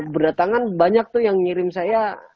berdatangan banyak tuh yang ngirim saya